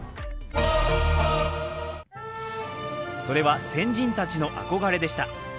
それは、先人たちのあこがれでした。